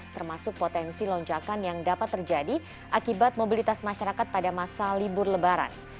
termasuk potensi lonjakan yang dapat terjadi akibat mobilitas masyarakat pada masa libur lebaran